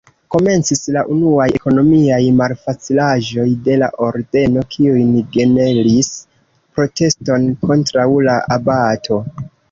Komencis la unuaj ekonomiaj malfacilaĵoj de la Ordeno kiujn generis proteston kontraŭ la abato.